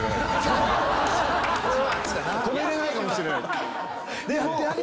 止めれないかもしれない。